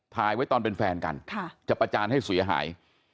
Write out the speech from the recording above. ถ่ายไว้ตอนเป็นแฟนกันจะประจานให้เสียหาย